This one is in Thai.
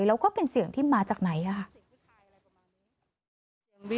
แล้วก็เป็นเสียงที่มาจากไหนค่ะ